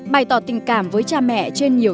bày tỏ tình cảm với cha mẹ trên nhiều